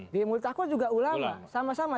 di mutakwa juga ulama sama sama